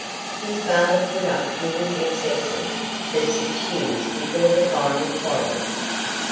His father put up with his excesses for six years before the final quarrel.